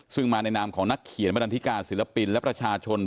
ซึ่งมาในนามของนักเขียนบรรดาธิการศิลปินและประชาชน